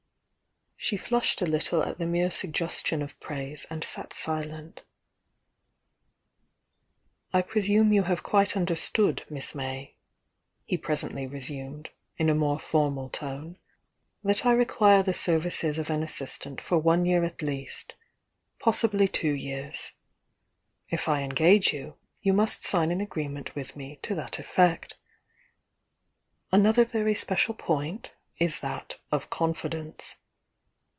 She flushed a little at the mere suggestion of praise and sat silent. "I presume you have quite understood, Miss May," he presently resumed, in a more formal tone, "that I require the services of an assistant for one year at least — possibly two years. If I engage you, you must sign an agreement with nie to that effect. Another very special point is that of confidence.